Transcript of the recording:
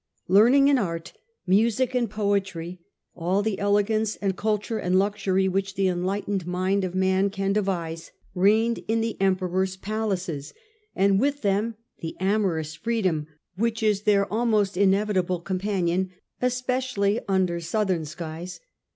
Learning and art, music and poetry, all the elegance and culture and luxury which the enlightened mind of man can devise, reigned in the Emperor's palaces ; and with them the amorous freedom which is their almost inevitable companion, especially under Southern skies.